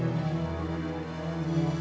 belum aku di rumah